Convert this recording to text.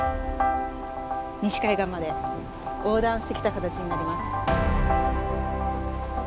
西海岸まで横断してきた形になります。